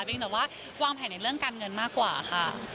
เราต้องวางเพลินเรื่องการเงินมากกว่าค่ะ